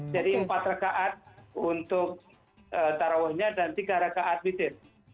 jadi empat rakaat untuk taraweehnya dan tiga rakaat bidet